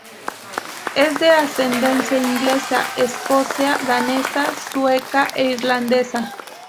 Es de ascendencia inglesa, escocesa, danesa, sueca e irlandesa.